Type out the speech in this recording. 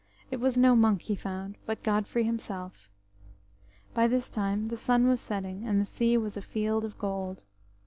It was no monk he found, but Godfrey himself. By this time the sun was setting, and the sea was a field of gold.